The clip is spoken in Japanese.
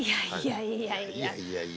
いやいや。